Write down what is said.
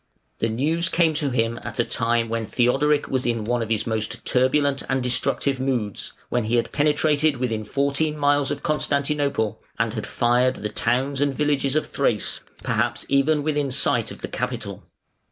The news came to him at a time when Theodoric was in one of his most turbulent and destructive moods, when he had penetrated within fourteen miles of Constantinople and had fired the towns and villages of Thrace, perhaps even within sight of the capital.